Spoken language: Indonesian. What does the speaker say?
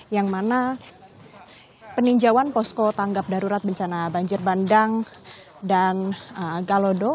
yang mana peninjauan posko tanggap darurat bencana banjir bandang dan galodo